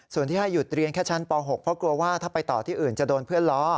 ส่วนที่ให้หยุดเรียนแค่ชั้นป๖เพราะกลัวว่าถ้าไปต่อที่อื่นจะโดนเพื่อนล้อ